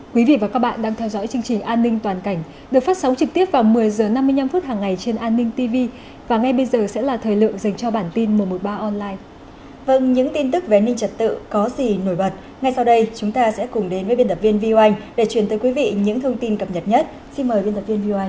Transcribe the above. các bạn hãy đăng ký kênh để ủng hộ kênh của chúng mình nhé